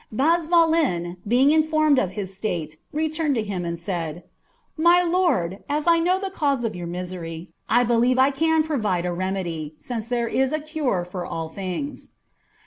Bazvalen, being informed of his alate, returned to him, and said, ^ My lord, as I know the cause of your misery^ I believe I can provide a remedy, since there is a cure for all things."